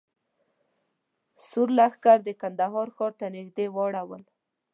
سور لښکر د کندهار ښار ته نږدې واړول.